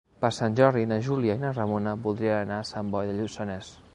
Per Sant Jordi na Júlia i na Ramona voldrien anar a Sant Boi de Lluçanès.